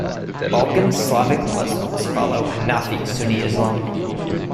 Balkan Slavic Muslims follow Hanafi Sunni Islam.